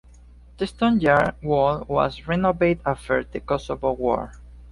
The stone yard wall was renovated after the Kosovo War.